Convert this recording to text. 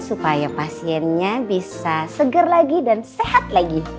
supaya pasiennya bisa seger lagi dan sehat lagi